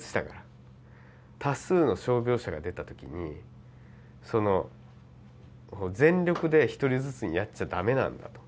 多数の傷病者が出たときに全力で一人ずつにやっちゃ駄目なんだと。